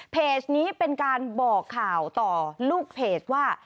เพจนี้เป็นการบอกข่าวต่อลูกเพจว่า